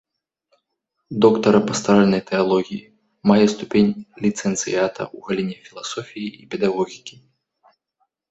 Доктара пастаральнай тэалогіі, мае ступень ліцэнцыята ў галіне філасофіі і педагогікі.